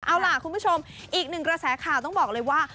เอาล่ะคุณผู้ชมอีกหนึ่งกระแสข่าวต้องบอกเลยว่า